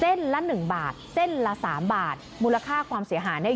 ละหนึ่งบาทเส้นละสามบาทมูลค่าความเสียหายเนี่ย